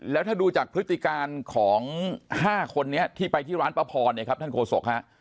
แล้วถ้าดูจากพฤติการของ๕คนนี้ที่ไปที่ร้านป้าพรเนี่ยครับท่านโฆษกฮะ